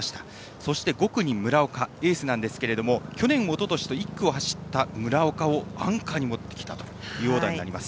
そして、５区に村岡エースなんですけれども去年、おととしと１区を走った村岡をアンカーに持ってきたというオーダーになります。